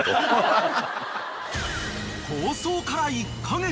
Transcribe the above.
［構想から１カ月］